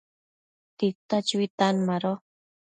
tita chuitan mado